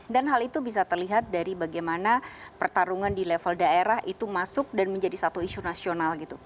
dan hal itu bisa terlihat dari bagaimana pertarungan di level daerah itu masuk dan menjadi satu isu nasional